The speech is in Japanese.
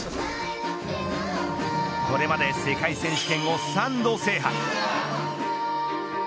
これまで世界選手権を３度制覇。